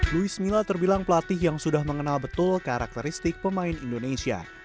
luis mila terbilang pelatih yang sudah mengenal betul karakteristik pemain indonesia